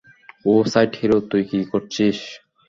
ও side hero তুই কি করছিস?